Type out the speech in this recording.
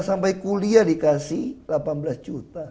sampai kuliah dikasih delapan belas juta